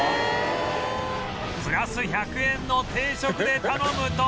プラス１００円の定食で頼むと